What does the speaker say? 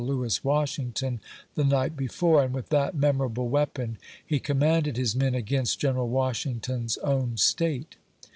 Lewis Washington the night before, and with that memorable weapon, he commanded his men against General Washington's own State.